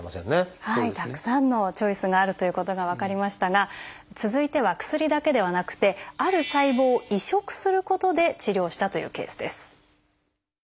たくさんのチョイスがあるということが分かりましたが続いては薬だけではなくてある細胞を移植することで治療したというケースです。